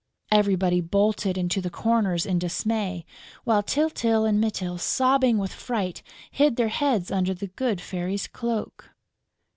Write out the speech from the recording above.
Everybody bolted into the corners in dismay, while Tyltyl and Mytyl, sobbing with fright, hid their heads under the good Fairy's cloak.